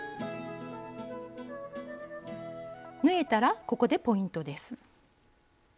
縫えたらここでポイントです。